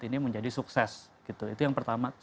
ini menjadi sukses gitu itu yang pertama